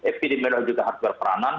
fpd meloh juga harus berperanan